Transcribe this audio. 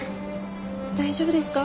大丈夫ですか？